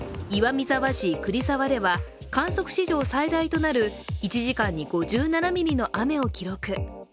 三沢市栗沢では観測史上最大となる１時間に５７ミリの雨を記録。